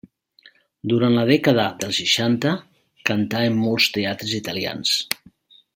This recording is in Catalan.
Durant la dècada dels seixanta, cantà en molts teatres italians.